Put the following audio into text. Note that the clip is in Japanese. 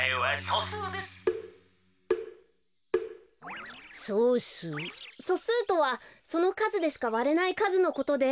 そすうとはそのかずでしかわれないかずのことで。